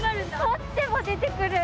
掘っても出てくる。